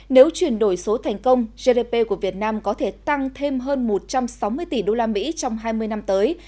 nếu chuyển đổi số thành công gdp của việt nam có thể tăng thêm hơn một trăm sáu mươi tỷ usd trong hai mươi năm tới